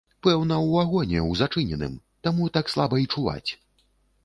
Пэўна, у вагоне ў зачыненым, таму так слаба й чуваць.